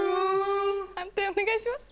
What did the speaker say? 判定お願いします。